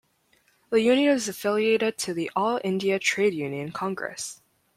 The union is affiliated to the All India Trade Union Congress.